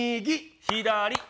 左。